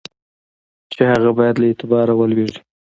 چي هغه باید له اعتباره ولوېږي.